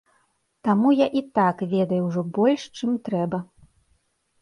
Таму я і так ведаю ўжо больш, чым трэба.